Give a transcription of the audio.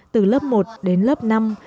từ lớp một đến lớp năm